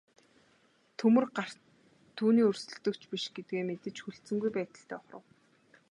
Төмөр гарт түүний өрсөлдөгч биш гэдгээ мэдэж хүлцэнгүй байдалтай ухрав.